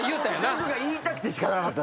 僕が言いたくて仕方なかった。